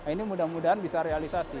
ini mudah mudahan bisa realisasi